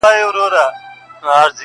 ما د مرگ ورځ به هم هغه ورځ وي~